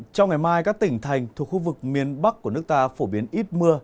trong ngày mai các tỉnh thành thuộc khu vực miền bắc của nước ta phổ biến ít mưa